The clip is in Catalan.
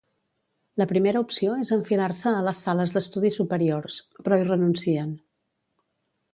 La primera opció és enfilar-se a les sales d'estudi superiors, però hi renuncien.